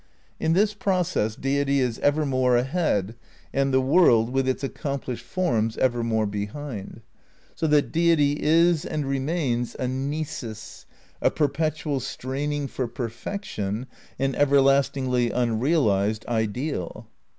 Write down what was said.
In this process Deity is evermore ahead, and the world, with its accomplished forms, evermore behind. So that Deity is and remains a "nisus," a perpetual straining for perfection, an everlastingly unrealised ideal.